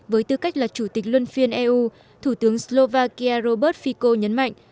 với tư cách là chủ tịch luân phiên eu thủ tướng slovakia robert fico nhấn mạnh